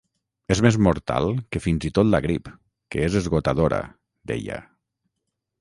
És més mortal que fins i tot la grip, que és esgotadora, deia.